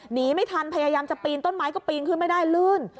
หนีไม่ทันพยายามจะปีนต้นไม้ก็ปีนขึ้นไม่ได้ลื่น